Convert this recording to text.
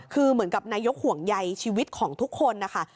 คือเหมือนกับนายกห่วงใยชีวิตของทุกคนนะคะ